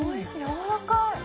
やわらかい。